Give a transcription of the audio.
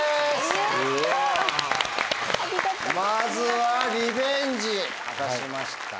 まずはリベンジ果たしました。